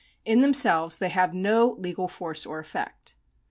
In themselves they have no legal force or effect.